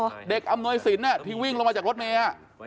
จริงเหรอเด็กอำนวยศิลป์ที่วิ่งลงมาจากรถเมล์